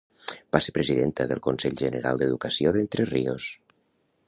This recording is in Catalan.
Va ser presidenta del Consell General d'Educació d'Entre Ríos.